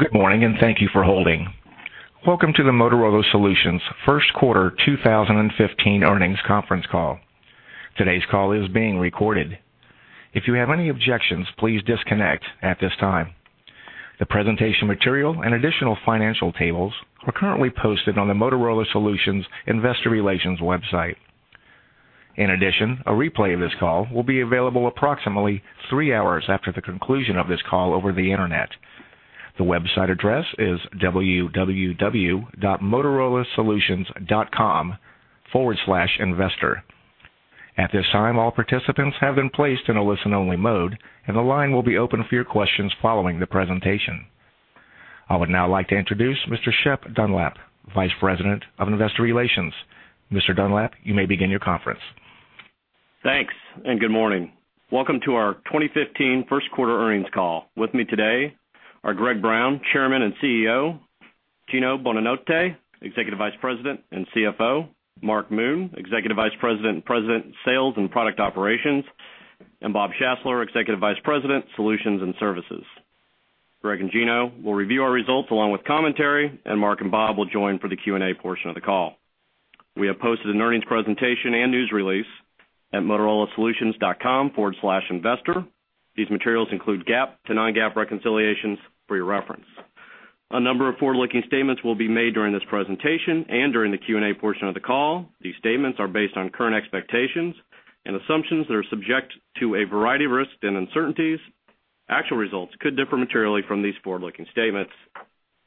Good morning, and thank you for holding. Welcome to the Motorola Solutions first quarter 2015 earnings conference call. Today's call is being recorded. If you have any objections, please disconnect at this time. The presentation material and additional financial tables are currently posted on the Motorola Solutions investor relations website. In addition, a replay of this call will be available approximately 3 hours after the conclusion of this call over the internet. The website address is www.motorolasolutions.com/investor. At this time, all participants have been placed in a listen-only mode, and the line will be open for your questions following the presentation. I would now like to introduce Mr. Shep Dunlap, Vice President of Investor Relations. Mr. Dunlap, you may begin your conference. Thanks, and good morning. Welcome to our 2015 first quarter earnings call. With me today are Greg Brown, Chairman and CEO, Gino Bonanotte, Executive Vice President and CFO, Mark Moon, Executive Vice President and President, Sales and Product Operations, and Bob Schassler, Executive Vice President, Solutions and Services. Greg and Gino will review our results along with commentary, and Mark and Bob will join for the Q&A portion of the call. We have posted an earnings presentation and news release at motorolasolutions.com/investor. These materials include GAAP to non-GAAP reconciliations for your reference. A number of forward-looking statements will be made during this presentation and during the Q&A portion of the call. These statements are based on current expectations and assumptions that are subject to a variety of risks and uncertainties. Actual results could differ materially from these forward-looking statements.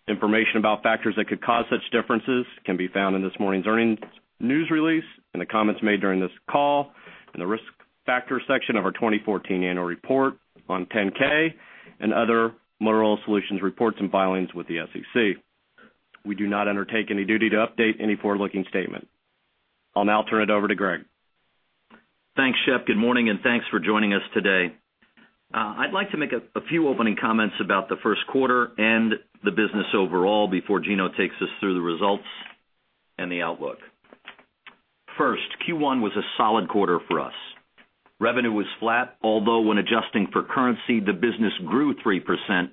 Information about factors that could cause such differences can be found in this morning's earnings news release, and the comments made during this call, in the Risk Factors section of our 2014 annual report on 10-K, and other Motorola Solutions reports and filings with the SEC. We do not undertake any duty to update any forward-looking statement. I'll now turn it over to Greg. Thanks, Shep. Good morning, and thanks for joining us today. I'd like to make a few opening comments about the first quarter and the business overall before Gino takes us through the results and the outlook. First, Q1 was a solid quarter for us. Revenue was flat, although when adjusting for currency, the business grew 3%,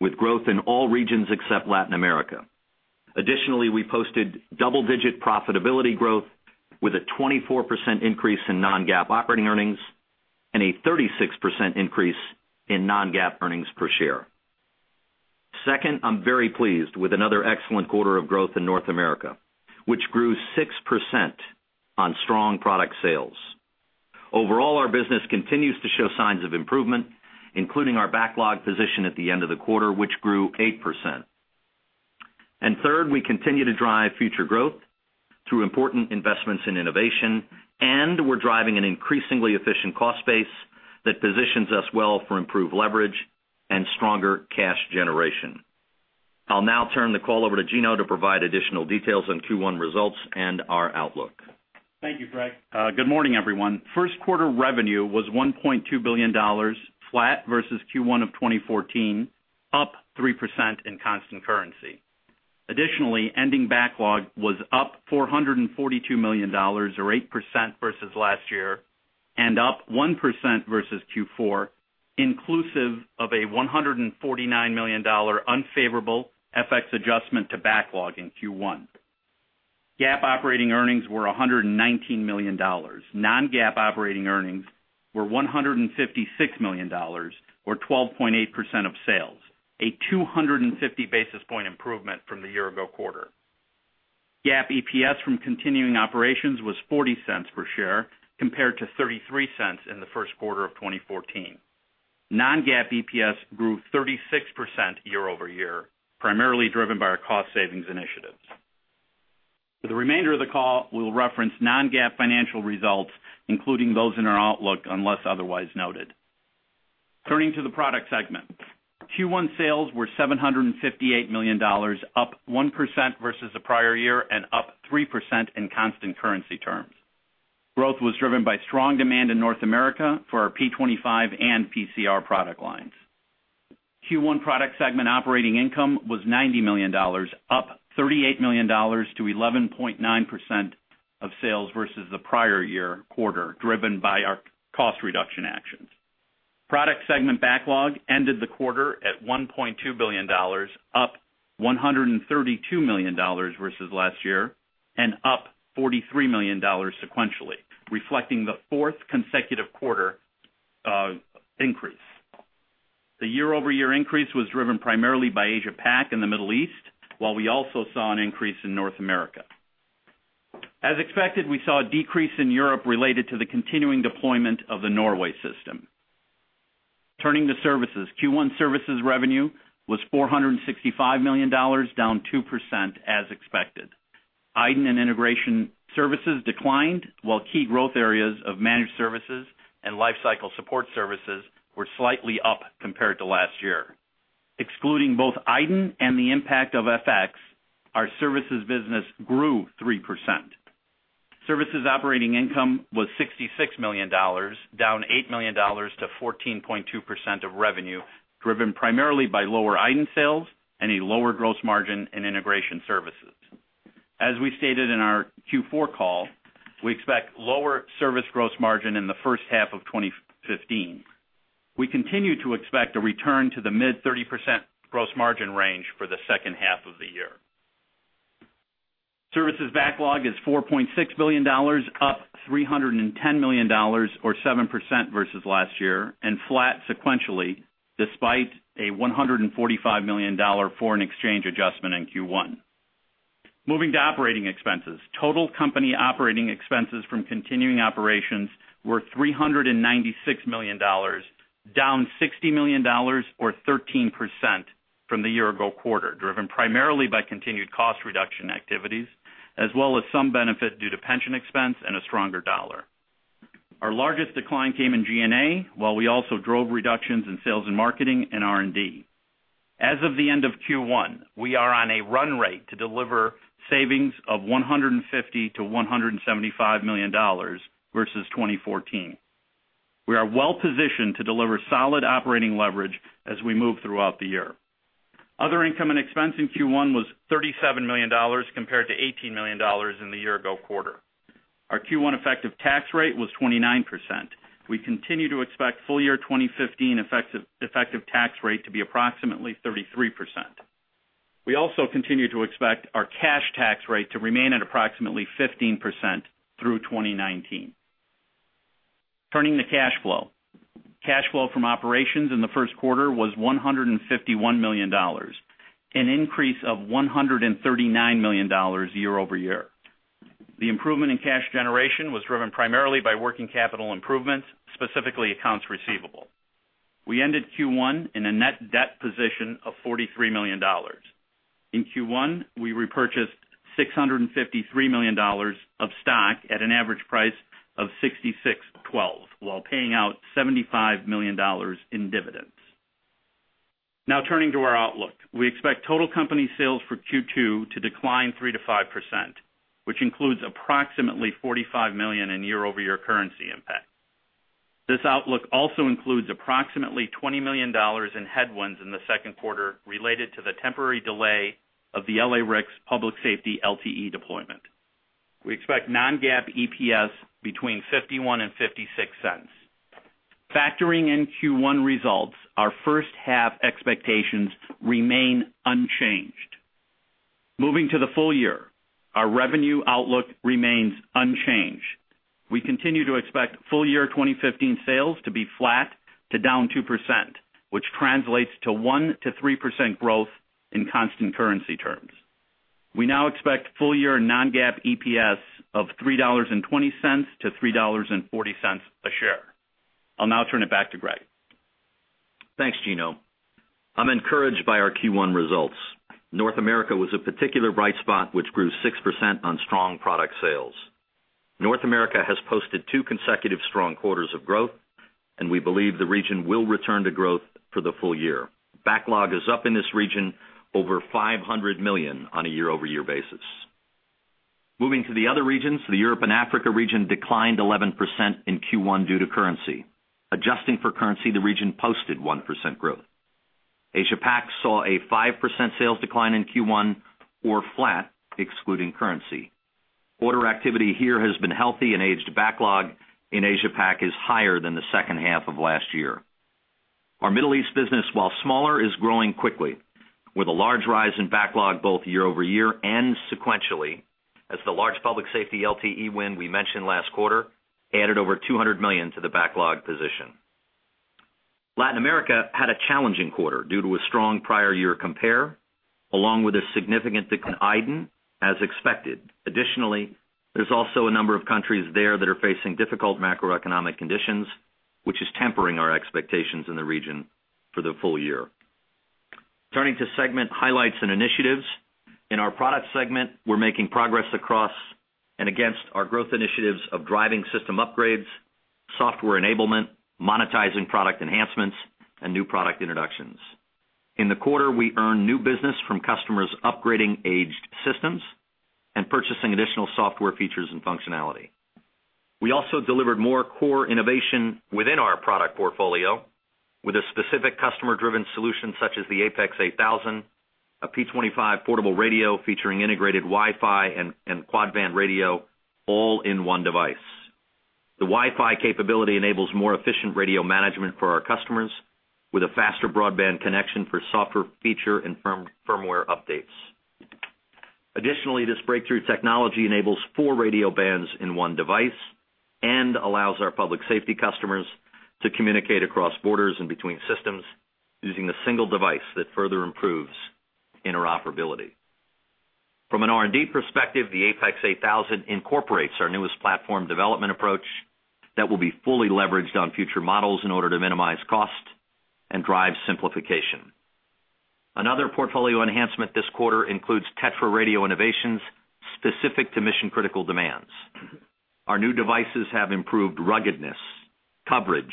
with growth in all regions except Latin America. Additionally, we posted double-digit profitability growth, with a 24% increase in non-GAAP operating earnings and a 36% increase in non-GAAP earnings per share. Second, I'm very pleased with another excellent quarter of growth in North America, which grew 6% on strong product sales. Overall, our business continues to show signs of improvement, including our backlog position at the end of the quarter, which grew 8%. And third, we continue to drive future growth through important investments in innovation, and we're driving an increasingly efficient cost base that positions us well for improved leverage and stronger cash generation. I'll now turn the call over to Gino to provide additional details on Q1 results and our outlook. Thank you, Greg. Good morning, everyone. First quarter revenue was $1.2 billion, flat versus Q1 of 2014, up 3% in constant currency. Additionally, ending backlog was up $442 million or 8% versus last year, and up 1% versus Q4, inclusive of a $149 million unfavorable FX adjustment to backlog in Q1. GAAP operating earnings were $119 million. Non-GAAP operating earnings were $156 million, or 12.8% of sales, a 250 basis point improvement from the year ago quarter. GAAP EPS from continuing operations was $0.40 per share, compared to $0.33 in the first quarter of 2014. Non-GAAP EPS grew 36% year-over-year, primarily driven by our cost savings initiatives. For the remainder of the call, we'll reference non-GAAP financial results, including those in our outlook, unless otherwise noted. Turning to the product segment. Q1 sales were $758 million, up 1% versus the prior year and up 3% in constant currency terms. Growth was driven by strong demand in North America for our P25 and PCR product lines. Q1 product segment operating income was $90 million, up $38 million to 11.9% of sales versus the prior year quarter, driven by our cost reduction actions. Product segment backlog ended the quarter at $1.2 billion, up $132 million versus last year, and up $43 million sequentially, reflecting the fourth consecutive quarter, increase. The year-over-year increase was driven primarily by Asia Pac and the Middle East, while we also saw an increase in North America. As expected, we saw a decrease in Europe related to the continuing deployment of the Norway system. Turning to services, Q1 services revenue was $465 million, down 2% as expected. iDEN and integration services declined, while key growth areas of managed services and lifecycle support services were slightly up compared to last year. Excluding both iDEN and the impact of FX, our services business grew 3%. Services operating income was $66 million, down $8 million to 14.2% of revenue, driven primarily by lower iDEN sales and a lower gross margin in integration services. As we stated in our Q4 call, we expect lower service gross margin in the first half of 2015. We continue to expect a return to the mid-30% gross margin range for the second half of the year. Services backlog is $4.6 billion, up $310 million or 7% versus last year, and flat sequentially, despite a $145 million foreign exchange adjustment in Q1. Moving to operating expenses. Total company operating expenses from continuing operations were $396 million, down $60 million or 13% from the year-ago quarter, driven primarily by continued cost reduction activities, as well as some benefit due to pension expense and a stronger dollar. Our largest decline came in G&A, while we also drove reductions in sales and marketing and R&D. As of the end of Q1, we are on a run rate to deliver savings of $150 million-$175 million versus 2014. We are well positioned to deliver solid operating leverage as we move throughout the year. Other income and expense in Q1 was $37 million, compared to $18 million in the year ago quarter. Our Q1 effective tax rate was 29%. We continue to expect full year 2015 effective, effective tax rate to be approximately 33%. We also continue to expect our cash tax rate to remain at approximately 15% through 2019. Turning to cash flow. Cash flow from operations in the first quarter was $151 million, an increase of $139 million year-over-year. The improvement in cash generation was driven primarily by working capital improvements, specifically accounts receivable. We ended Q1 in a net debt position of $43 million. In Q1, we repurchased $653 million of stock at an average price of $66.12, while paying out $75 million in dividends. Now, turning to our outlook. We expect total company sales for Q2 to decline 3%-5%, which includes approximately $45 million in year-over-year currency impact. This outlook also includes approximately $20 million in headwinds in the second quarter related to the temporary delay of the LA-RICS Public Safety LTE deployment. We expect non-GAAP EPS between $0.51 and $0.56. Factoring in Q1 results, our first half expectations remain unchanged. Moving to the full year, our revenue outlook remains unchanged. We continue to expect full year 2015 sales to be flat to down 2%, which translates to 1%-3% growth in constant currency terms. We now expect full year non-GAAP EPS of $3.20-$3.40 a share. I'll now turn it back to Greg. Thanks, Gino. I'm encouraged by our Q1 results. North America was a particular bright spot, which grew 6% on strong product sales. North America has posted 2 consecutive strong quarters of growth, and we believe the region will return to growth for the full year. Backlog is up in this region over $500 million on a year-over-year basis. Moving to the other regions, the Europe and Africa region declined 11% in Q1 due to currency. Adjusting for currency, the region posted 1% growth. Asia Pac saw a 5% sales decline in Q1, or flat, excluding currency. Order activity here has been healthy and aged backlog in Asia Pac is higher than the second half of last year. Our Middle East business, while smaller, is growing quickly, with a large rise in backlog both year-over-year and sequentially, as the large public safety LTE win we mentioned last quarter added over $200 million to the backlog position. Latin America had a challenging quarter due to a strong prior year compare, along with a significant decline in iDEN, as expected. Additionally, there's also a number of countries there that are facing difficult macroeconomic conditions, which is tempering our expectations in the region for the full year. Turning to segment highlights and initiatives. In our product segment, we're making progress across and against our growth initiatives of driving system upgrades, software enablement, monetizing product enhancements, and new product introductions. In the quarter, we earned new business from customers upgrading aged systems and purchasing additional software features and functionality. We also delivered more core innovation within our product portfolio with a specific customer-driven solution, such as the APX 8000, a P25 portable radio featuring integrated Wi-Fi and quad-band radio, all in one device. The Wi-Fi capability enables more efficient radio management for our customers, with a faster broadband connection for software feature and firmware updates. Additionally, this breakthrough technology enables four radio bands in one device and allows our public safety customers to communicate across borders and between systems using a single device that further improves interoperability. From an R&D perspective, the APX 8000 incorporates our newest platform development approach that will be fully leveraged on future models in order to minimize cost and drive simplification. Another portfolio enhancement this quarter includes TETRA radio innovations specific to mission-critical demands. Our new devices have improved ruggedness, coverage,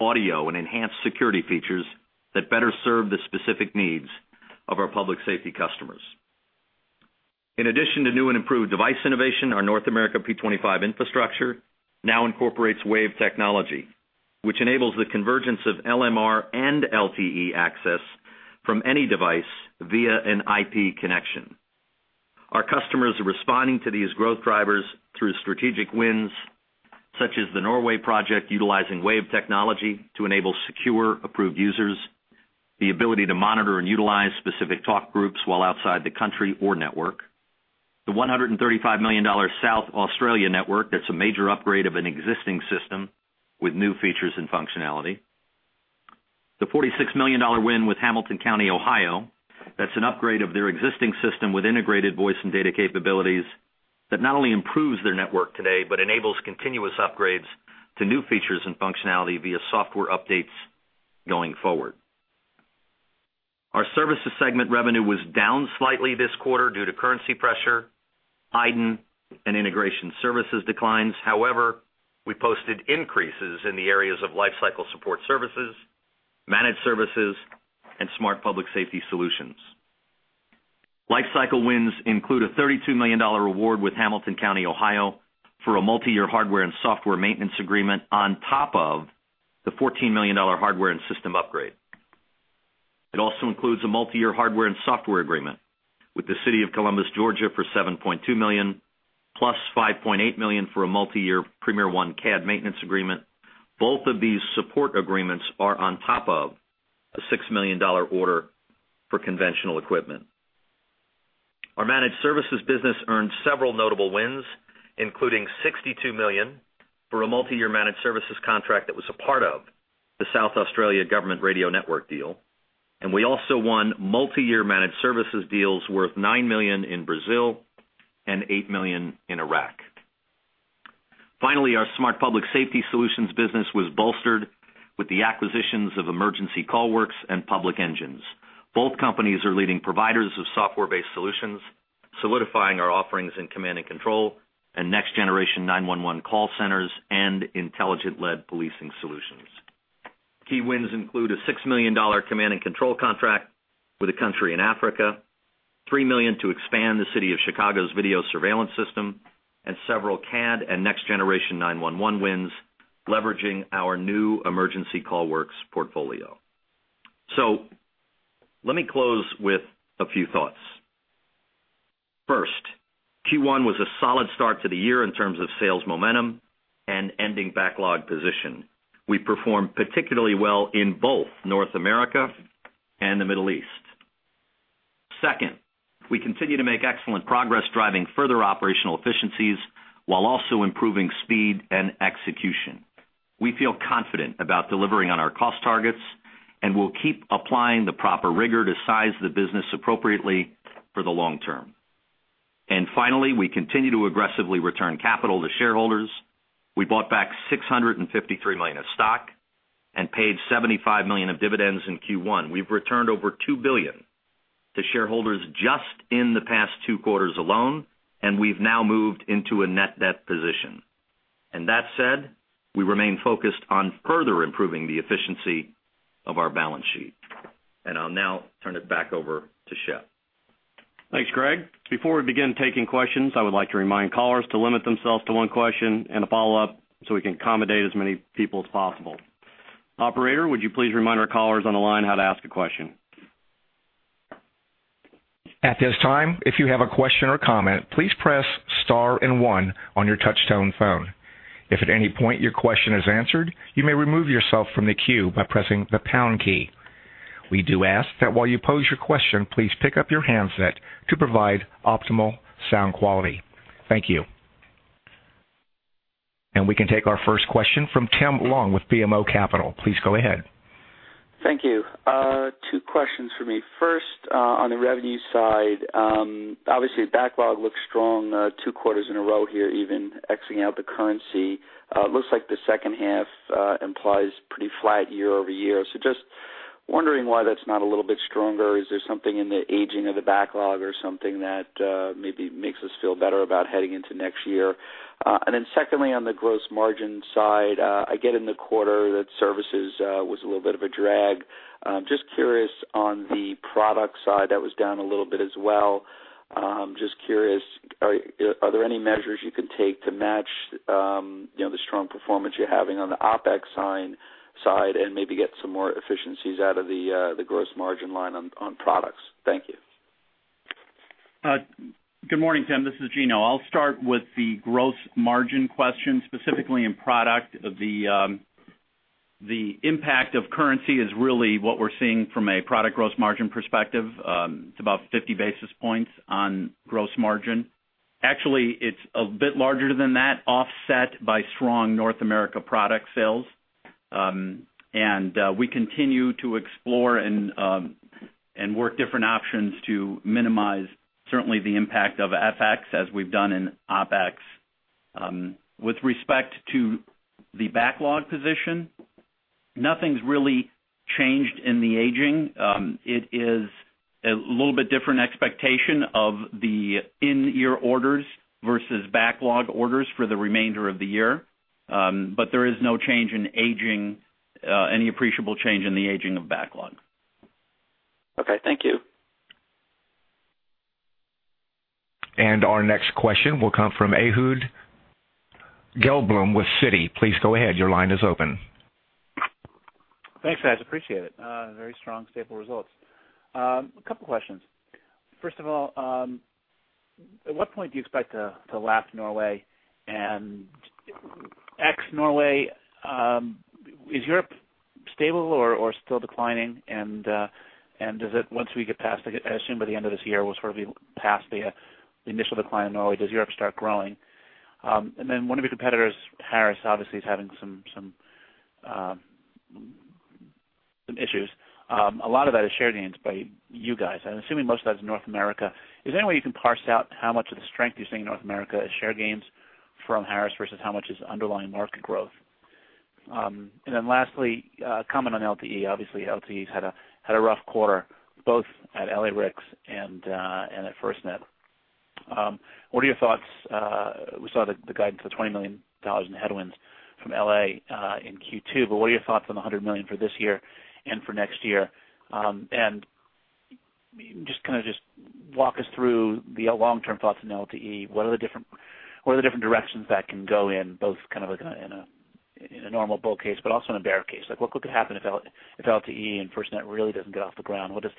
audio, and enhanced security features that better serve the specific needs of our public safety customers. In addition to new and improved device innovation, our North America P25 infrastructure now incorporates WAVE technology... which enables the convergence of LMR and LTE access from any device via an IP connection. Our customers are responding to these growth drivers through strategic wins, such as the Norway project, utilizing WAVE technology to enable secure, approved users, the ability to monitor and utilize specific talk groups while outside the country or network. The $135 million South Australia network, that's a major upgrade of an existing system with new features and functionality. The $46 million win with Hamilton County, Ohio, that's an upgrade of their existing system with integrated voice and data capabilities that not only improves their network today, but enables continuous upgrades to new features and functionality via software updates going forward. Our services segment revenue was down slightly this quarter due to currency pressure, iDEN, and integration services declines. However, we posted increases in the areas of life cycle support services, managed services, and Smart Public Safety Solutions. Lifecycle wins include a $32 million award with Hamilton County, Ohio, for a multiyear hardware and software maintenance agreement on top of the $14 million hardware and system upgrade. It also includes a multiyear hardware and software agreement with the city of Columbus, Georgia, for $7.2 million, plus $5.8 million for a multiyear PremierOne CAD maintenance agreement. Both of these support agreements are on top of a $6 million order for conventional equipment. Our managed services business earned several notable wins, including $62 million for a multiyear managed services contract that was a part of the South Australia Government Radio Network deal, and we also won multiyear managed services deals worth $9 million in Brazil and $8 million in Iraq. Finally, our Smart Public Safety Solutions business was bolstered with the acquisitions of Emergency CallWorks and PublicEngines. Both companies are leading providers of software-based solutions, solidifying our offerings in command and control and next-generation 911 call centers and intelligence-led policing solutions. Key wins include a $6 million command and control contract with a country in Africa, $3 million to expand the city of Chicago's video surveillance system, and several CAD and next-generation nine one one wins, leveraging our new Emergency CallWorks portfolio. So let me close with a few thoughts. First, Q1 was a solid start to the year in terms of sales momentum and ending backlog position. We performed particularly well in both North America and the Middle East. Second, we continue to make excellent progress, driving further operational efficiencies while also improving speed and execution. We feel confident about delivering on our cost targets, and we'll keep applying the proper rigor to size the business appropriately for the long term. And finally, we continue to aggressively return capital to shareholders. We bought back $653 million of stock and paid $75 million of dividends in Q1. We've returned over $2 billion to shareholders just in the past 2 quarters alone, and we've now moved into a net debt position. And that said, we remain focused on further improving the efficiency of our balance sheet. And I'll now turn it back over to Shep. Thanks, Greg. Before we begin taking questions, I would like to remind callers to limit themselves to one question and a follow-up, so we can accommodate as many people as possible. Operator, would you please remind our callers on the line how to ask a question? At this time, if you have a question or comment, please press star and one on your touchtone phone. If at any point your question is answered, you may remove yourself from the queue by pressing the pound key. We do ask that while you pose your question, please pick up your handset to provide optimal sound quality. Thank you. We can take our first question from Tim Long with BMO Capital. Please go ahead. Thank you. Two questions for me. First, on the revenue side, obviously, backlog looks strong, two quarters in a row here, even exiting out the currency. It looks like the second half implies pretty flat year-over-year. So just wondering why that's not a little bit stronger. Is there something in the aging of the backlog or something that maybe makes us feel better about heading into next year? And then secondly, on the gross margin side, I get in the quarter that services was a little bit of a drag. Just curious on the product side, that was down a little bit as well. Just curious, are there any measures you can take to match, you know, the strong performance you're having on the OpEx side and maybe get some more efficiencies out of the gross margin line on products? Thank you. Good morning, Tim. This is Gino. I'll start with the gross margin question, specifically in product. The impact of currency is really what we're seeing from a product gross margin perspective. It's about 50 basis points on gross margin. Actually, it's a bit larger than that, offset by strong North America product sales. We continue to explore and work different options to minimize, certainly, the impact of FX, as we've done in OpEx. With respect to the backlog position, nothing's really changed in the aging. It is a little bit different expectation of the in-year orders versus backlog orders for the remainder of the year, but there is no change in aging, any appreciable change in the aging of backlog. Okay, thank you.... Our next question will come from Ehud Gelblum with Citi. Please go ahead. Your line is open. Thanks, guys. Appreciate it. Very strong, stable results. A couple questions. First of all, at what point do you expect to, to lap Norway? And ex-Norway, is Europe stable or, or still declining? And, and does it, once we get past, I assume by the end of this year, we'll sort of be past the, the initial decline in Norway, does Europe start growing? And then one of your competitors, Harris, obviously, is having some, some, some issues. A lot of that is share gains by you guys, and I'm assuming most of that is North America. Is there any way you can parse out how much of the strength you're seeing in North America is share gains from Harris versus how much is underlying market growth? And then lastly, comment on LTE. Obviously, LTE has had a rough quarter, both at LA-RICS and at FirstNet. What are your thoughts? We saw the guidance of $20 million in headwinds from LA-RICS in Q2, but what are your thoughts on the $100 million for this year and for next year? And just kind of walk us through the long-term thoughts on LTE. What are the different directions that can go in, both kind of like in a normal bull case, but also in a bear case? Like, what could happen if LTE and FirstNet really doesn't get off the ground? What does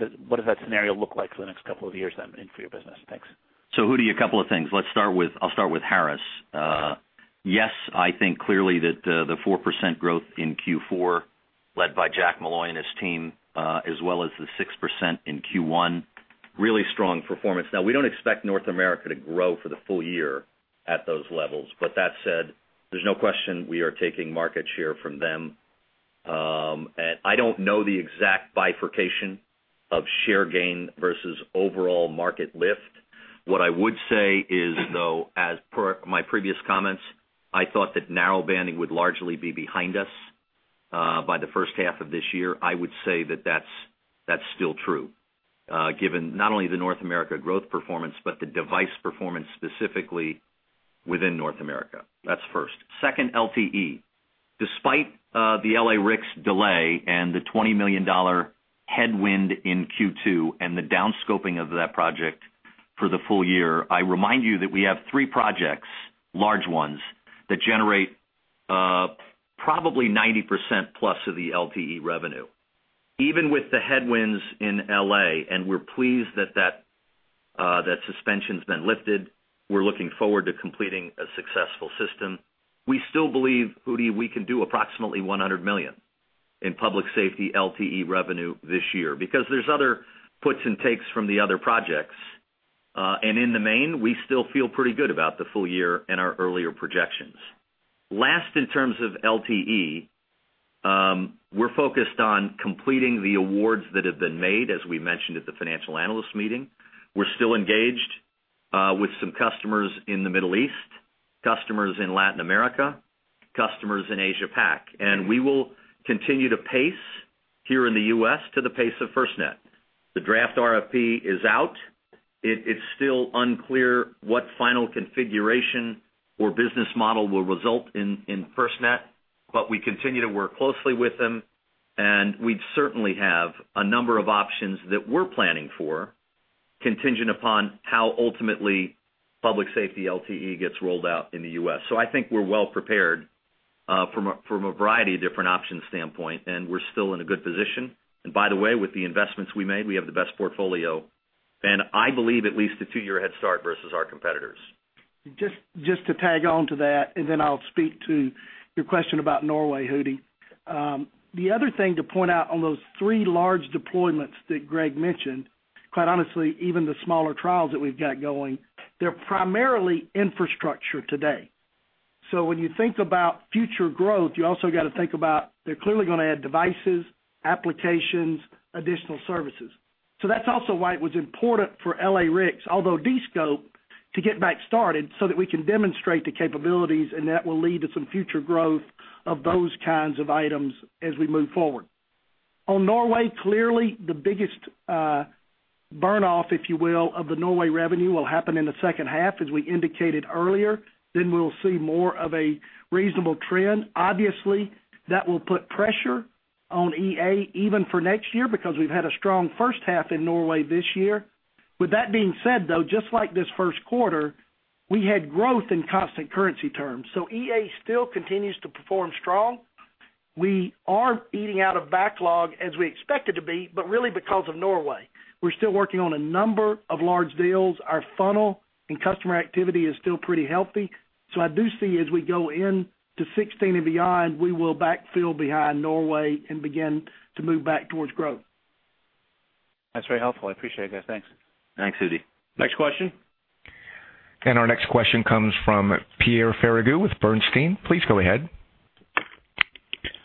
that scenario look like for the next couple of years then and for your business? Thanks. So Ehud, a couple of things. Let's start with, I'll start with Harris. Yes, I think clearly that, the 4% growth in Q4, led by Jack Malloy and his team, as well as the 6% in Q1, really strong performance. Now, we don't expect North America to grow for the full year at those levels, but that said, there's no question we are taking market share from them. And I don't know the exact bifurcation of share gain versus overall market lift. What I would say is, though, as per my previous comments, I thought that Narrowbanding would largely be behind us, by the first half of this year. I would say that that's, that's still true, given not only the North America growth performance, but the device performance specifically within North America. That's first. Second, LTE. Despite the LA-RICS delay and the $20 million headwind in Q2 and the down scoping of that project for the full year, I remind you that we have three projects, large ones, that generate probably 90%+ of the LTE revenue. Even with the headwinds in LA, and we're pleased that that suspension's been lifted, we're looking forward to completing a successful system, we still believe, Ehud, we can do approximately $100 million in public safety LTE revenue this year, because there's other puts and takes from the other projects. And in the main, we still feel pretty good about the full year and our earlier projections. Last, in terms of LTE, we're focused on completing the awards that have been made, as we mentioned at the financial analyst meeting. We're still engaged with some customers in the Middle East, customers in Latin America, customers in Asia Pac, and we will continue to pace here in the U.S. to the pace of FirstNet. The draft RFP is out. It, it's still unclear what final configuration or business model will result in FirstNet, but we continue to work closely with them, and we certainly have a number of options that we're planning for, contingent upon how ultimately public safety LTE gets rolled out in the U.S. So I think we're well prepared from a variety of different options standpoint, and we're still in a good position. And by the way, with the investments we made, we have the best portfolio, and I believe at least a two-year head start versus our competitors. Just, just to tag on to that, and then I'll speak to your question about Norway, Ehud. The other thing to point out on those three large deployments that Greg mentioned, quite honestly, even the smaller trials that we've got going, they're primarily infrastructure today. So when you think about future growth, you also got to think about, they're clearly going to add devices, applications, additional services. So that's also why it was important for LA-RICS, although de-scoped, to get back started so that we can demonstrate the capabilities, and that will lead to some future growth of those kinds of items as we move forward. On Norway, clearly, the biggest burn off, if you will, of the Norway revenue will happen in the second half, as we indicated earlier, then we'll see more of a reasonable trend. Obviously, that will put pressure on EA even for next year, because we've had a strong first half in Norway this year. With that being said, though, just like this first quarter, we had growth in constant currency terms, so EA still continues to perform strong. We are eating out of backlog as we expected to be, but really because of Norway. We're still working on a number of large deals. Our funnel and customer activity is still pretty healthy. So I do see as we go into 2016 and beyond, we will backfill behind Norway and begin to move back towards growth. That's very helpful. I appreciate it, guys. Thanks. Thanks, Ehud. Next question? Our next question comes from Pierre Ferragu with Bernstein. Please go ahead.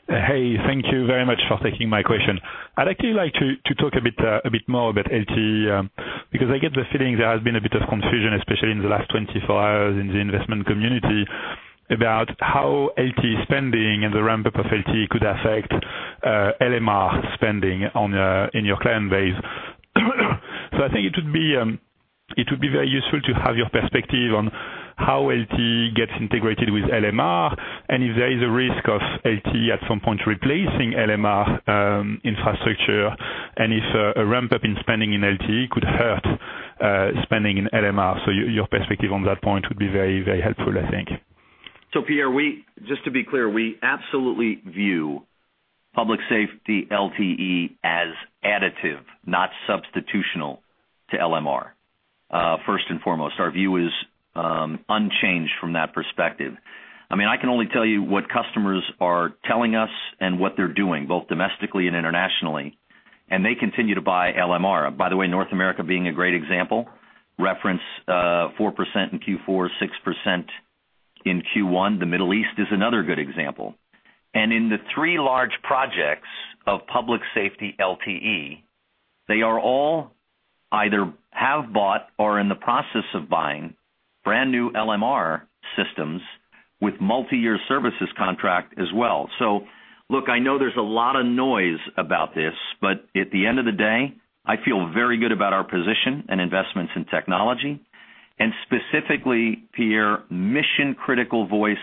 Hey, thank you very much for taking my question. I'd actually like to talk a bit more about LTE because I get the feeling there has been a bit of confusion, especially in the last 24 hours in the investment community, about how LTE spending and the ramp-up of LTE could affect LMR spending in your client base. So I think it would be very useful to have your perspective on how LTE gets integrated with LMR, and if there is a risk of LTE, at some point, replacing LMR infrastructure, and if a ramp-up in spending in LTE could hurt spending in LMR. So your perspective on that point would be very helpful, I think. So Pierre, we, just to be clear, we absolutely view public safety LTE as additive, not substitutional to LMR, first and foremost. Our view is, unchanged from that perspective. I mean, I can only tell you what customers are telling us and what they're doing, both domestically and internationally, and they continue to buy LMR. By the way, North America being a great example, reference, 4% in Q4, 6% in Q1. The Middle East is another good example. And in the three large projects of public safety LTE, they are all either have bought or in the process of buying brand new LMR systems with multiyear services contract as well. So look, I know there's a lot of noise about this, but at the end of the day, I feel very good about our position and investments in technology, and specifically, Pierre, mission-critical voice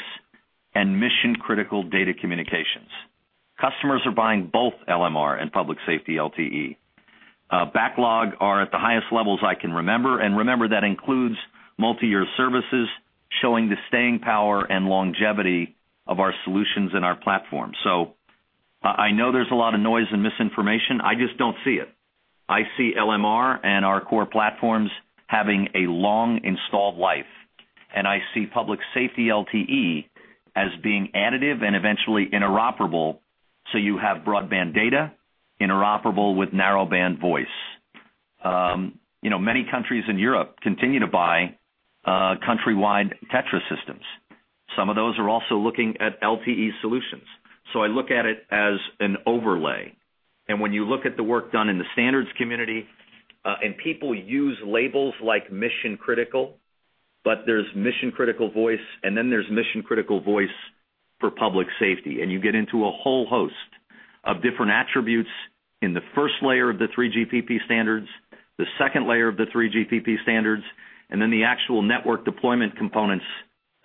and mission-critical data communications. Customers are buying both LMR and public safety LTE. Backlog are at the highest levels I can remember, and remember, that includes multiyear services, showing the staying power and longevity of our solutions and our platform. So I, I know there's a lot of noise and misinformation. I just don't see it. I see LMR and our core platforms having a long installed life, and I see public safety LTE as being additive and eventually interoperable, so you have broadband data interoperable with narrowband voice. You know, many countries in Europe continue to buy countrywide TETRA systems. Some of those are also looking at LTE solutions. So I look at it as an overlay. When you look at the work done in the standards community, and people use labels like mission critical, but there's mission-critical voice, and then there's mission-critical voice for public safety. You get into a whole host of different attributes in the first layer of the 3GPP standards, the second layer of the 3GPP standards, and then the actual network deployment components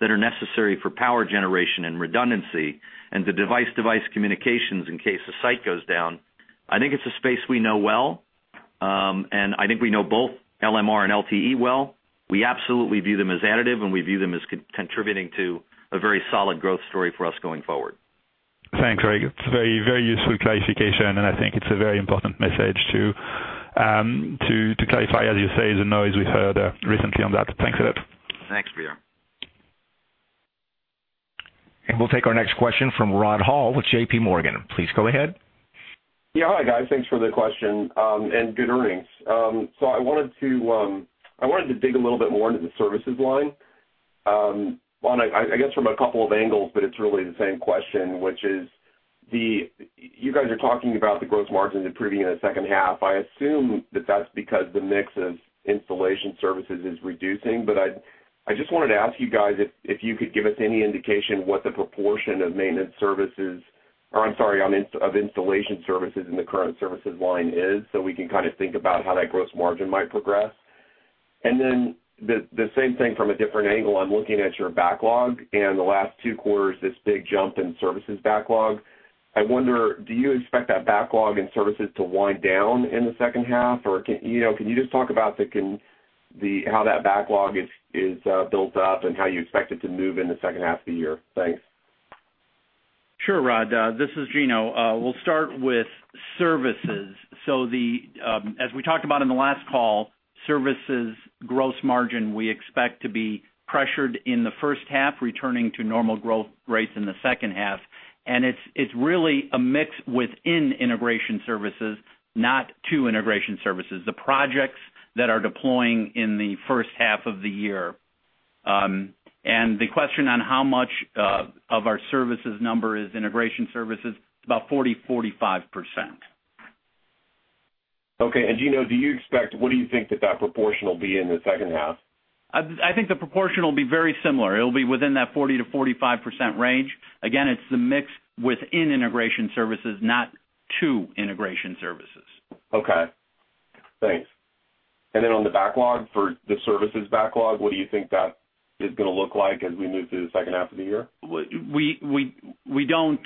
that are necessary for power generation and redundancy, and the device-device communications in case a site goes down. I think it's a space we know well, and I think we know both LMR and LTE well. We absolutely view them as additive, and we view them as contributing to a very solid growth story for us going forward. Thanks, Greg. It's a very, very useful clarification, and I think it's a very important message to clarify, as you say, the noise we've heard recently on that. Thanks a lot. Thanks, Pierre. We'll take our next question from Rod Hall with JPMorgan. Please go ahead. Yeah. Hi, guys. Thanks for the question, and good earnings. So I wanted to dig a little bit more into the services line, on a, I guess, from a couple of angles, but it's really the same question, which is the, you guys are talking about the gross margin improving in the second half. I assume that that's because the mix of installation services is reducing, but I just wanted to ask you guys if you could give us any indication what the proportion of maintenance services, or I'm sorry, of installation services in the current services line is, so we can kind of think about how that gross margin might progress. And then the same thing from a different angle. I'm looking at your backlog, and the last two quarters, this big jump in services backlog. I wonder, do you expect that backlog in services to wind down in the second half? Or can, you know, can you just talk about the, how that backlog is built up and how you expect it to move in the second half of the year? Thanks. Sure, Rod. This is Gino. We'll start with services. So, as we talked about in the last call, services gross margin, we expect to be pressured in the first half, returning to normal growth rates in the second half. And it's, it's really a mix within integration services, not to integration services, the projects that are deploying in the first half of the year. And the question on how much of our services number is integration services, it's about 40-45%. Okay. Gino, do you expect, what do you think that that proportion will be in the second half? I think the proportion will be very similar. It'll be within that 40%-45% range. Again, it's the mix within integration services, not to integration services. Okay, thanks. And then on the backlog, for the services backlog, what do you think that is gonna look like as we move through the second half of the year? We don't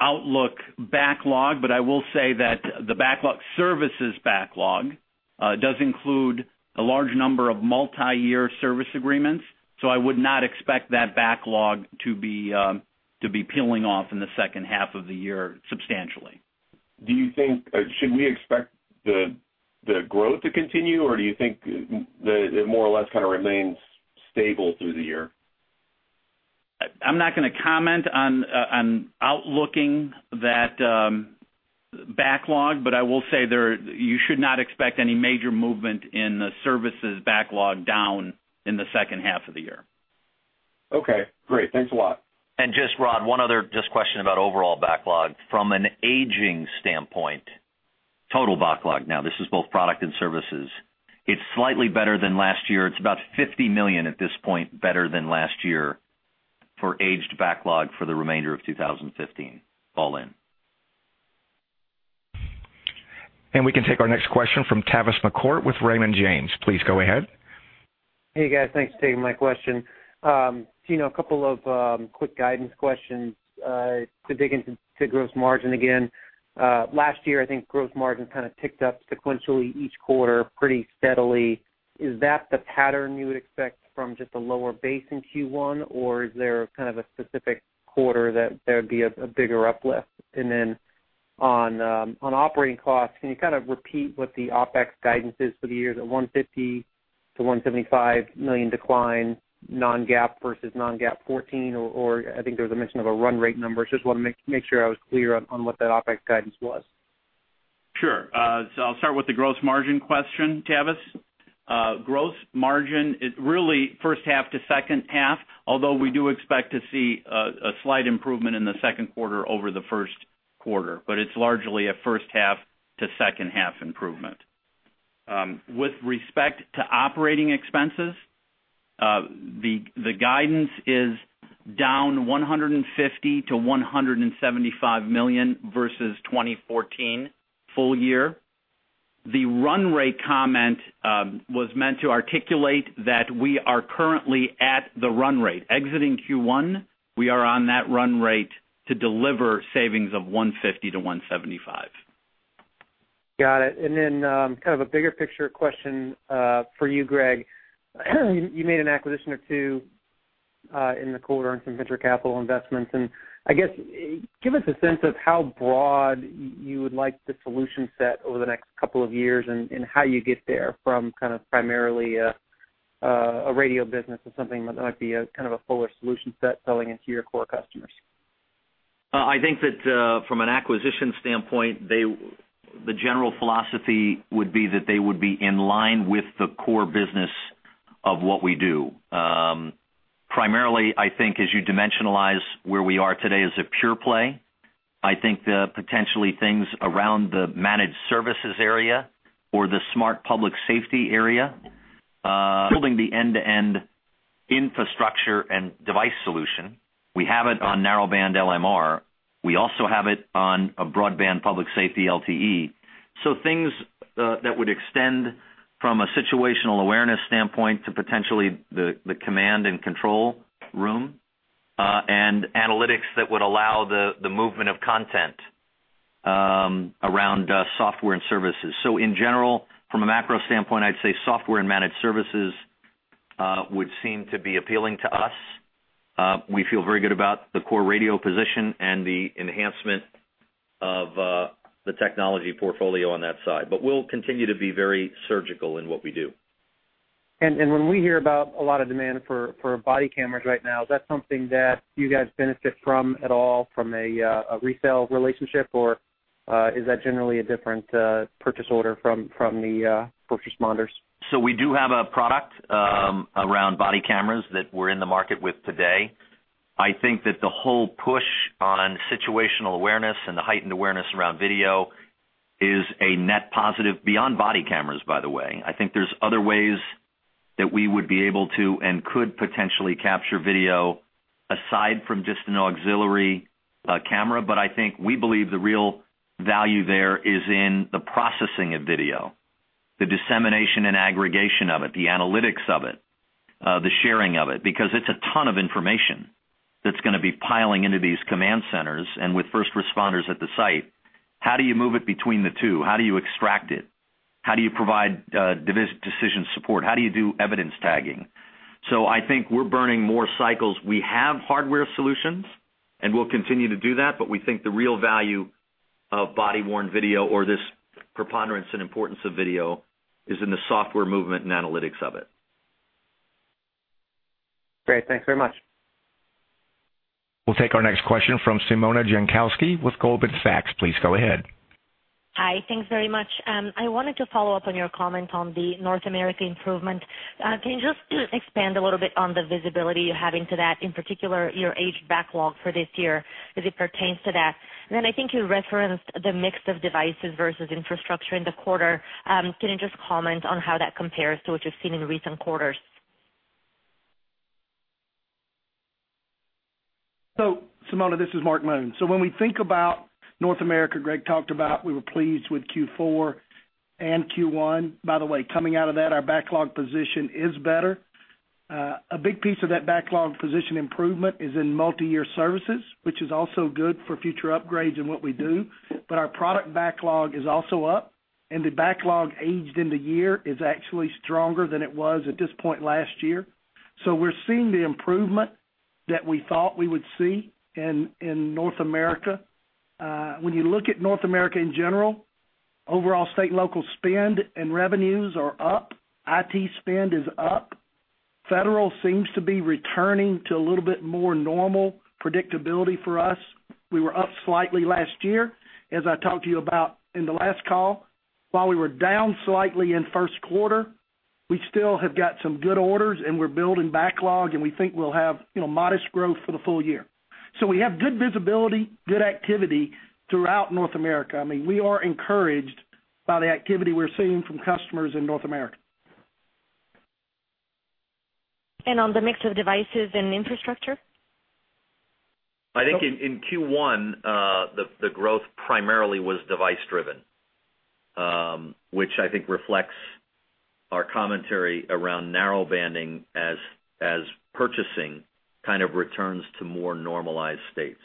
outlook backlog, but I will say that the backlog, services backlog, does include a large number of multiyear service agreements, so I would not expect that backlog to be peeling off in the second half of the year substantially. Do you think should we expect the growth to continue, or do you think it more or less kind of remains stable through the year? I'm not gonna comment on the outlook on that backlog, but I will say you should not expect any major movement in the services backlog in the second half of the year. Okay, great. Thanks a lot. Just, Rod, one other just question about overall backlog. From an aging standpoint, total backlog, now this is both product and services, it's slightly better than last year. It's about $50 million at this point better than last year for aged backlog for the remainder of 2015, all in. We can take our next question from Tavis McCourt with Raymond James. Please go ahead. Hey, guys. Thanks for taking my question. Gino, a couple of quick guidance questions to dig into gross margin again. Last year, I think gross margin kind of ticked up sequentially each quarter pretty steadily. Is that the pattern you would expect from just a lower base in Q1? Or is there kind of a specific quarter that there would be a bigger uplift? And then on operating costs, can you kind of repeat what the OpEx guidance is for the year? Is it $150 million-$175 million decline, non-GAAP versus non-GAAP 2014, or I think there was a mention of a run rate number. I just want to make sure I was clear on what that OpEx guidance was. Sure. So I'll start with the gross margin question, Tavis. Gross margin is really first half to second half, although we do expect to see a slight improvement in the second quarter over the first quarter, but it's largely a first half to second half improvement. With respect to operating expenses, the guidance is down $150 million-$175 million versus 2014 full year. The run rate comment was meant to articulate that we are currently at the run rate. Exiting Q1, we are on that run rate to deliver savings of $150-$175 million. Got it. And then, kind of a bigger picture question, for you, Greg. You made an acquisition or two, in the quarter and some venture capital investments, and I guess, give us a sense of how broad you would like the solution set over the next couple of years, and how you get there from kind of primarily a radio business to something that might be a kind of a fuller solution set selling into your core customers. I think that, from an acquisition standpoint, the general philosophy would be that they would be in line with the core business of what we do. Primarily, I think as you dimensionalize where we are today as a pure play, I think that potentially things around the managed services area or the smart public safety area, building the end-to-end infrastructure and device solution, we have it on narrowband LMR. We also have it on a broadband public safety LTE. So things that would extend from a situational awareness standpoint to potentially the, the command and control room, and analytics that would allow the, the movement of content, around, software and services. So in general, from a macro standpoint, I'd say software and managed services would seem to be appealing to us. We feel very good about the core radio position and the enhancement of the technology portfolio on that side, but we'll continue to be very surgical in what we do. When we hear about a lot of demand for body cameras right now, is that something that you guys benefit from at all from a resale relationship, or is that generally a different purchase order from the first responders? So we do have a product around body cameras that we're in the market with today. I think that the whole push on situational awareness and the heightened awareness around video is a net positive beyond body cameras, by the way. I think there's other ways that we would be able to and could potentially capture video aside from just an auxiliary camera. But I think we believe the real value there is in the processing of video, the dissemination and aggregation of it, the analytics of it, the sharing of it, because it's a ton of information that's going to be piling into these command centers and with first responders at the site. How do you move it between the two? How do you extract it? How do you provide decision support? How do you do evidence tagging? So I think we're burning more cycles. We have hardware solutions, and we'll continue to do that, but we think the real value of body-worn video or this preponderance and importance of video is in the software movement and analytics of it. Great. Thanks very much. We'll take our next question from Simona Jankowski with Goldman Sachs. Please go ahead. Hi. Thanks very much. I wanted to follow up on your comment on the North America improvement. Can you just expand a little bit on the visibility you're having to that, in particular, your aged backlog for this year as it pertains to that? And then I think you referenced the mix of devices versus infrastructure in the quarter. Can you just comment on how that compares to what you've seen in recent quarters? So, Simona, this is Mark Moon. So when we think about North America, Greg talked about, we were pleased with Q4 and Q1. By the way, coming out of that, our backlog position is better. A big piece of that backlog position improvement is in multiyear services, which is also good for future upgrades in what we do. But our product backlog is also up, and the backlog aged in the year is actually stronger than it was at this point last year. So we're seeing the improvement that we thought we would see in North America. When you look at North America in general, overall state and local spend and revenues are up. IT spend is up. Federal seems to be returning to a little bit more normal predictability for us. We were up slightly last year, as I talked to you about in the last call. While we were down slightly in first quarter, we still have got some good orders, and we're building backlog, and we think we'll have, you know, modest growth for the full year. So we have good visibility, good activity throughout North America. I mean, we are encouraged by the activity we're seeing from customers in North America. On the mix of devices and infrastructure? I think in Q1, the growth primarily was device driven, which I think reflects our commentary around Narrowbanding as purchasing kind of returns to more normalized states.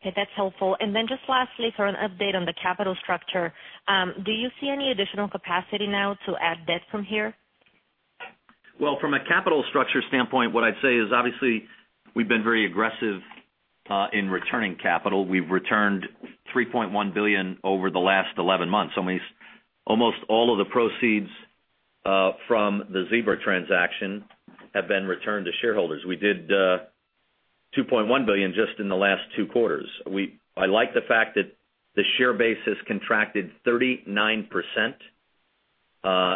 Okay, that's helpful. And then just lastly, for an update on the capital structure, do you see any additional capacity now to add debt from here?... Well, from a capital structure standpoint, what I'd say is, obviously, we've been very aggressive in returning capital. We've returned $3.1 billion over the last 11 months. Almost all of the proceeds from the Zebra transaction have been returned to shareholders. We did $2.1 billion just in the last two quarters. I like the fact that the share base has contracted 39%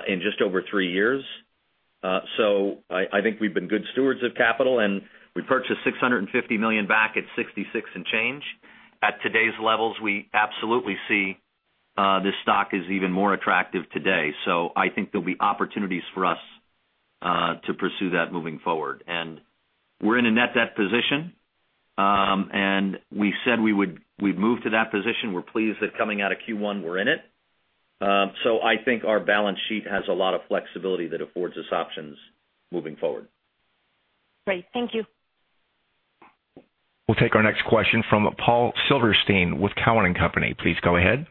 in just over three years. So I think we've been good stewards of capital, and we purchased $650 million back at 66 and change. At today's levels, we absolutely see this stock is even more attractive today. So I think there'll be opportunities for us to pursue that moving forward. And we're in a net debt position, and we said we'd move to that position. We're pleased that coming out of Q1, we're in it. So, I think our balance sheet has a lot of flexibility that affords us options moving forward. Great. Thank you. We'll take our next question from Paul Silverstein with Cowen and Company. Please go ahead.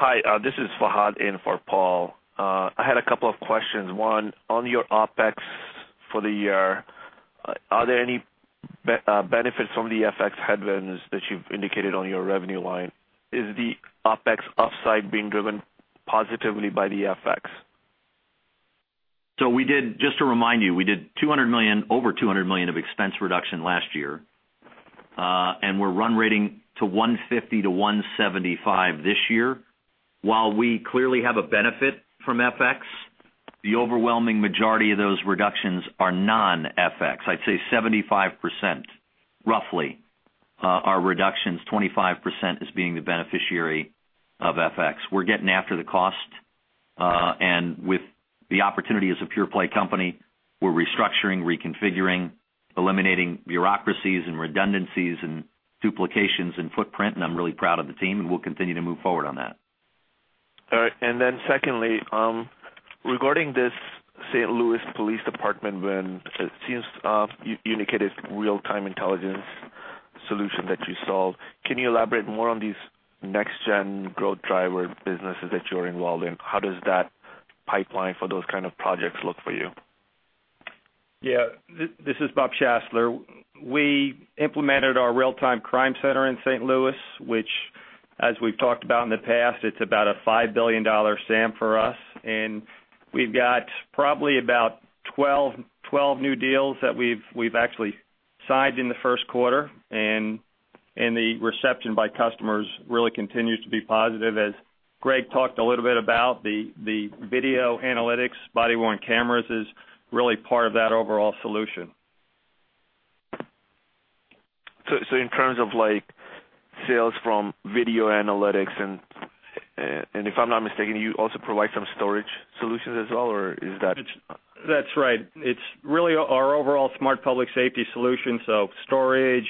Hi, this is Fahad in for Paul. I had a couple of questions. One, on your OpEx for the year, are there any benefits from the FX headwinds that you've indicated on your revenue line? Is the OpEx upside being driven positively by the FX? So we did. Just to remind you, we did $200 million, over $200 million of expense reduction last year, and we're run rating to $150 million-$175 million this year. While we clearly have a benefit from FX, the overwhelming majority of those reductions are non-FX. I'd say 75%, roughly, are reductions, 25% is being the beneficiary of FX. We're getting after the cost, and with the opportunity as a pure play company, we're restructuring, reconfiguring, eliminating bureaucracies and redundancies and duplications in footprint, and I'm really proud of the team, and we'll continue to move forward on that. All right. Then secondly, regarding this St. Louis Police Department, when it seems you indicated real-time intelligence solution that you solved, can you elaborate more on these next gen growth driver businesses that you're involved in? How does that pipeline for those kind of projects look for you? Yeah, this is Bob Schassler. We implemented our real-time crime center in St. Louis, which, as we've talked about in the past, it's about a $5 billion SAM for us, and we've got probably about 12, 12 new deals that we've actually signed in the first quarter, and the reception by customers really continues to be positive. As Greg talked a little bit about, the video analytics, body-worn cameras is really part of that overall solution. So, in terms of, like, sales from video analytics, and, and if I'm not mistaken, you also provide some storage solutions as well, or is that- That's right. It's really our overall Smart Public Safety Solution, so storage,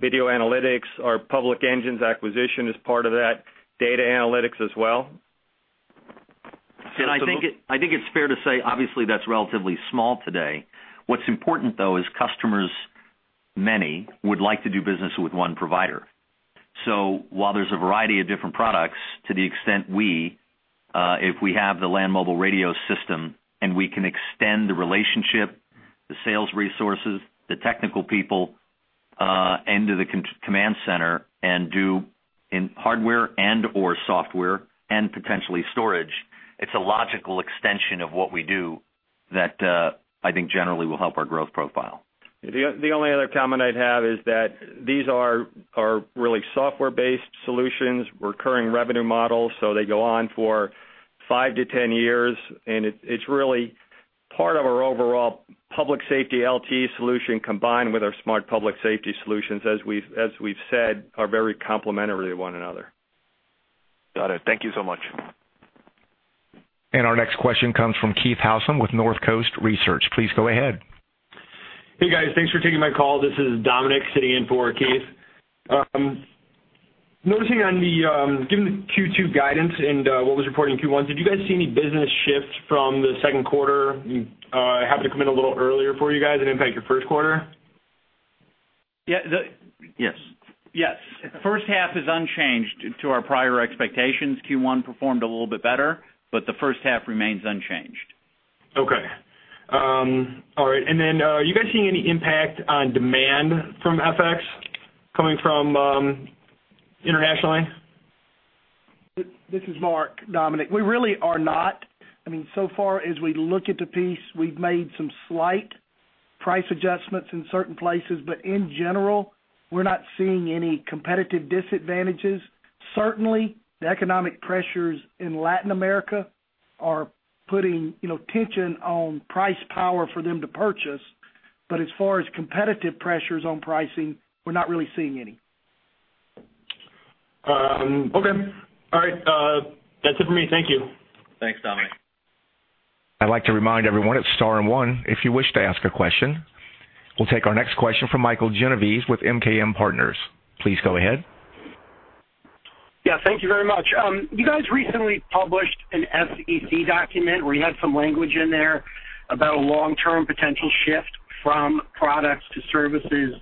video analytics, our PublicEngines acquisition is part of that, data analytics as well. And I think it's fair to say, obviously, that's relatively small today. What's important, though, is many customers would like to do business with one provider. So while there's a variety of different products, to the extent we if we have the land mobile radio system and we can extend the relationship, the sales resources, the technical people, into the command center and do in hardware and or software and potentially storage, it's a logical extension of what we do that, I think generally will help our growth profile. The only other comment I'd have is that these are really software-based solutions, recurring revenue models, so they go on for five to 10 years, and it's really part of our overall public safety LTE solution, combined with our Smart Public Safety Solutions, as we've said, are very complementary to one another. Got it. Thank you so much. Our next question comes from Keith Howsam with North Coast Research. Please go ahead. Hey, guys. Thanks for taking my call. This is Dominic sitting in for Keith. Noticing on the, given the Q2 guidance and, what was reported in Q1, did you guys see any business shift from the second quarter, happen to come in a little earlier for you guys and impact your first quarter? Yeah, yes. Yes. First half is unchanged to our prior expectations. Q1 performed a little bit better, but the first half remains unchanged. Okay. All right, and then, are you guys seeing any impact on demand from FX coming from internationally? This is Mark, Dominic. We really are not. I mean, so far, as we look at the piece, we've made some slight price adjustments in certain places, but in general, we're not seeing any competitive disadvantages. Certainly, the economic pressures in Latin America are putting, you know, tension on pricing power for them to purchase, but as far as competitive pressures on pricing, we're not really seeing any. Okay. All right, that's it for me. Thank you. Thanks, Dominic. I'd like to remind everyone, it's star and one, if you wish to ask a question. We'll take our next question from Michael Genovese with MKM Partners. Please go ahead. Yeah, thank you very much. You guys recently published an SEC document where you had some language in there about a long-term potential shift from products to services...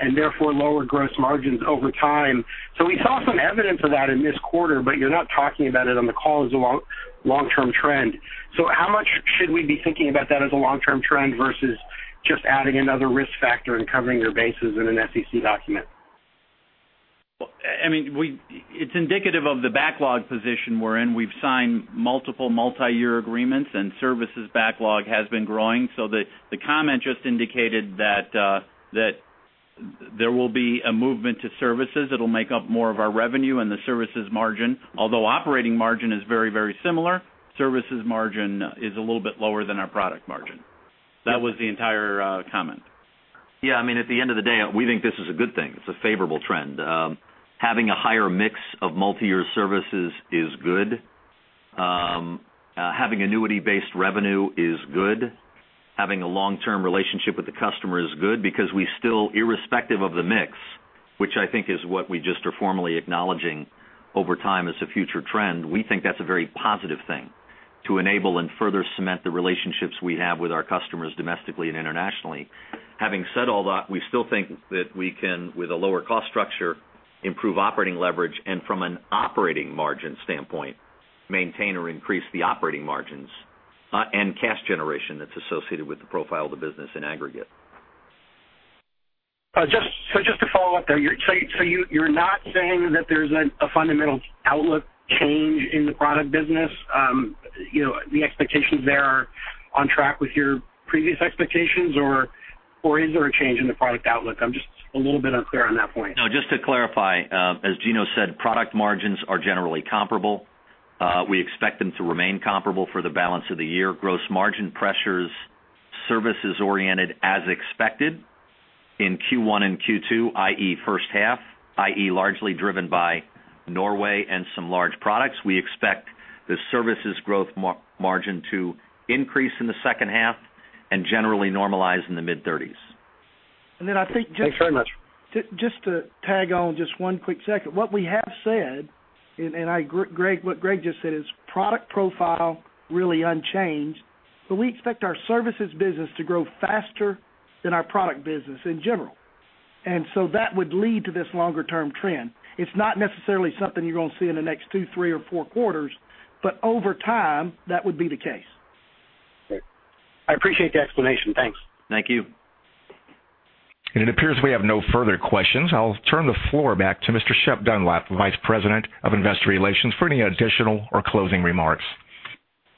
and therefore, lower gross margins over time. So we saw some evidence of that in this quarter, but you're not talking about it on the call as a long, long-term trend. So how much should we be thinking about that as a long-term trend versus just adding another risk factor and covering your bases in an SEC document? Well, I mean, it's indicative of the backlog position we're in. We've signed multiple multiyear agreements, and services backlog has been growing. So the comment just indicated that there will be a movement to services. It'll make up more of our revenue and the services margin. Although operating margin is very, very similar, services margin is a little bit lower than our product margin. That was the entire comment. Yeah, I mean, at the end of the day, we think this is a good thing. It's a favorable trend. Having a higher mix of multiyear services is good. Having annuity-based revenue is good. Having a long-term relationship with the customer is good because we still, irrespective of the mix, which I think is what we just are formally acknowledging over time as a future trend, we think that's a very positive thing to enable and further cement the relationships we have with our customers, domestically and internationally. Having said all that, we still think that we can, with a lower cost structure, improve operating leverage, and from an operating margin standpoint, maintain or increase the operating margins, and cash generation that's associated with the profile of the business in aggregate. So just to follow up there, you're not saying that there's a fundamental outlook change in the product business? You know, the expectations there are on track with your previous expectations, or is there a change in the product outlook? I'm just a little bit unclear on that point. No, just to clarify, as Gino said, product margins are generally comparable. We expect them to remain comparable for the balance of the year. Gross margin pressures, services oriented as expected in Q1 and Q2, i.e., first half, i.e., largely driven by Norway and some large products. We expect the services growth margin to increase in the second half and generally normalize in the mid-thirties. And then I think just- Thanks very much. Just to tag on one quick second. What we have said, and I, Greg—what Greg just said is product profile really unchanged, but we expect our services business to grow faster than our product business in general. And so that would lead to this longer-term trend. It's not necessarily something you're going to see in the next two, three or four quarters, but over time, that would be the case. Great. I appreciate the explanation. Thanks. Thank you. It appears we have no further questions. I'll turn the floor back to Mr. Shep Dunlap, Vice President of Investor Relations, for any additional or closing remarks.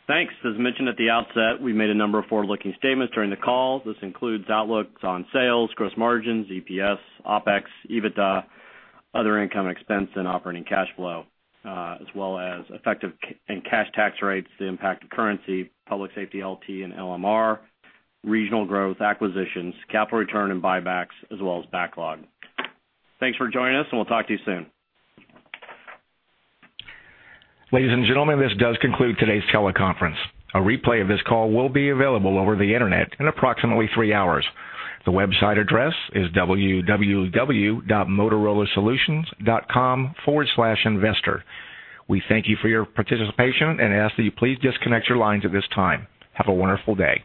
Thanks. As mentioned at the outset, we've made a number of forward-looking statements during the call. This includes outlooks on sales, gross margins, EPS, OpEx, EBITDA, other income expense and operating cash flow, as well as effective and cash tax rates, the impact of currency, Public Safety LTE and LMR, regional growth, acquisitions, capital return and buybacks, as well as backlog. Thanks for joining us, and we'll talk to you soon. Ladies and gentlemen, this does conclude today's teleconference. A replay of this call will be available over the Internet in approximately three hours. The website address is www.motorolasolutions.com/investor. We thank you for your participation and ask that you please disconnect your lines at this time. Have a wonderful day.